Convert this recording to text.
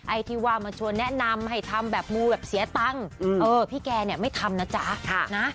ไอ้ที่ว่ามาชวนแนะนำให้ทำแบบมูแบบเสียตังค์พี่แกเนี่ยไม่ทำนะจ๊ะนะ